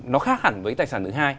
nó khác hẳn với tài sản thứ hai